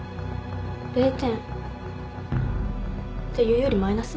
０点っていうよりマイナス？